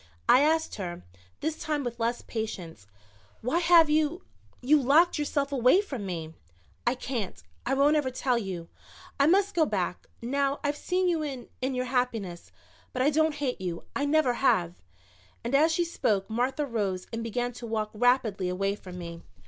I asked her, this time with less patience. "Why have you you locked yourself away from me?" "I can't I won't ever tell you. I must go back, now I've seen you in in your happiness. But I don't hate you I never have." And as she spoke Martha rose and began to walk rapidly away from me.